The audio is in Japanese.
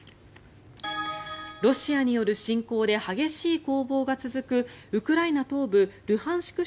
ロシアによる侵攻で激しい攻防が続くウクライナ東部ルハンシク